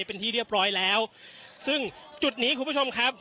เป็นที่เรียบร้อยแล้วซึ่งจุดนี้คุณผู้ชมครับ